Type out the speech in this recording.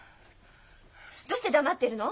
どうして黙ってるの？